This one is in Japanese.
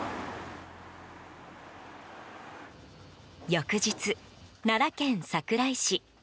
翌日、奈良県桜井市。